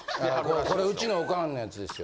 これうちのオカンのやつですよ。